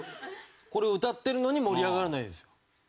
これを歌ってるのに盛り上がらないんですよ。